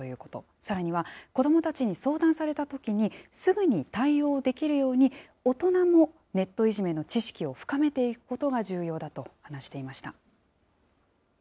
さらには、子どもたちに相談されたときに、すぐに対応できるように、大人もネットいじめの知識を深めていくことが重要だと話していました。